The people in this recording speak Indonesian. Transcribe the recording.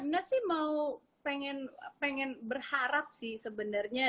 nasi mau pengen berharap sih sebenarnya